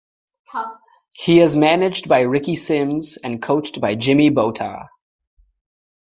He is managed by Ricky Simms and coached by Jimmy Beauttah.